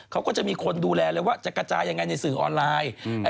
เขาก็จะมีคนดูแลเลยว่าจะกระจายยังไงในสื่อออนไลน์